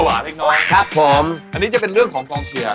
อันนี้จะเป็นเรื่องของกองเชีย